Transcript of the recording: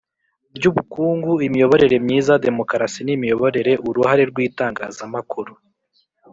Ry ubukungu imiyoborere myiza demokarasi n imiyoborere uruhare rw itangazamakuru